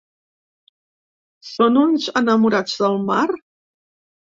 Són uns enamorats del mar?